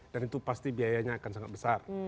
dan itu pasti biayanya akan sangat besar